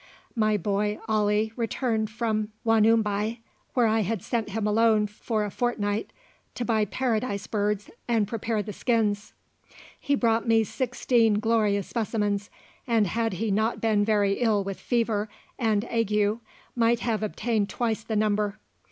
My boy Ali returned from Wanumbai, where I had sent him alone for a fortnight to buy Paradise birds and prepare the skins; he brought me sixteen glorious specimens, and had he not been very ill with fever and ague might have obtained twice the number.